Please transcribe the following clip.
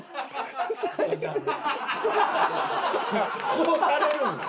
こうされるんよ。